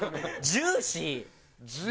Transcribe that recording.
「ジューシー」。